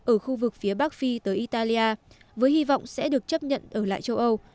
ở khu vực phía bắc phi tới italia với hy vọng sẽ được chấp nhận ở lại châu âu